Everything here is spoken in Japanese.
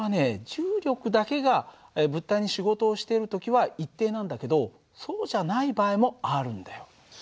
重力だけが物体に仕事をしている時は一定なんだけどそうじゃない場合もあるんだよ。